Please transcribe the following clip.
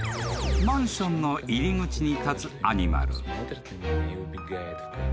［マンションの入口に立つアニマル］